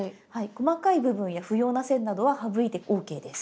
細かい部分や不要な線などは省いてＯＫです。